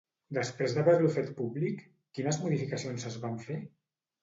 Després d'haver-lo fet públic, quines modificacions es van fer?